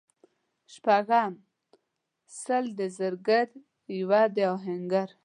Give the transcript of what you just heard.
شپږم:سل د زرګر یوه د اهنګر